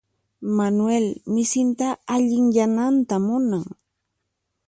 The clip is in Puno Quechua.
Manuel misinta allinyananta munan.